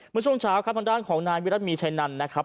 เมื่อช่วงเช้าทางด้านของนายวิรัติมีร์ชัยนั่นนะครับ